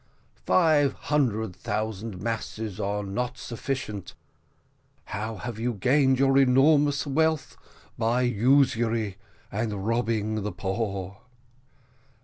"Five hundred thousand masses are not sufficient: how have you gained your enormous wealth? by usury and robbing the poor."